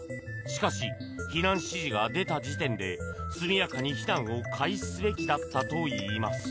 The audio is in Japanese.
しかし、避難指示が出た時点で速やかに避難を開始すべきだったといいます。